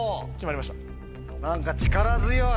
何か力強い。